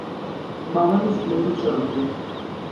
Баба ми сплете чорапи.